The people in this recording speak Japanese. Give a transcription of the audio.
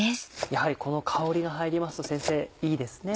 やはりこの香りが入りますと先生いいですね。